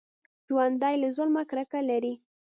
ژوندي له ظلمه کرکه لري